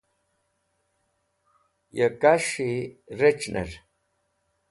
ya kas̃hi rec̃h'ner